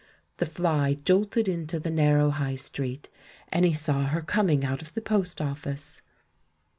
The fly jolted into the narrow High Street — and he saw her coming out of the post office.